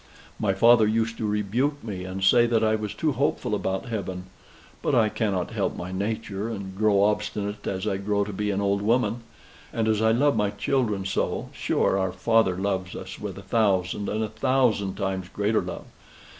My father used to rebuke me, and say that I was too hopeful about heaven. But I cannot help my nature, and grow obstinate as I grow to be an old woman; and as I love my children so, sure our Father loves us with a thousand and a thousand times greater love.